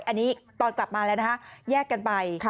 อันนี้ตอนกลับมาแล้วนะคะแยกกันไป